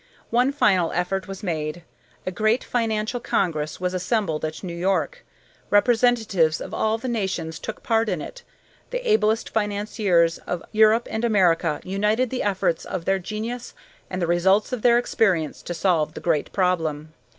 One final effort was made. A great financial congress was assembled at New York. Representatives of all the nations took part in it. The ablest financiers of Europe and America united the efforts of their genius and the results of their experience to solve the great problem.